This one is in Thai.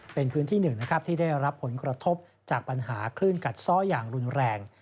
เป็นพื้นที่๑ที่ได้รับผลกระทบจากปัญหาขึ้นกัดซ่ออย่างรุนแรง